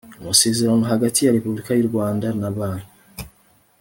amasezerano hagati ya repubulika y u rwanda na banki